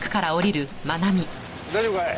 大丈夫かい？